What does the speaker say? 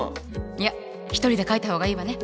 いや一人で描いた方がいいわね。